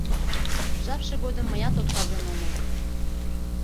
— Жапше годым мыят отказен омыл.